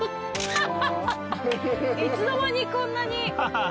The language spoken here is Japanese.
いつの間にこんなに。